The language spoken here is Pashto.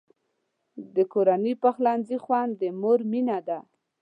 د کورني پخلنځي خوند د مور مینه ده.